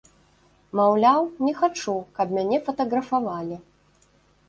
Маўляў, не хачу, каб мяне фатаграфавалі.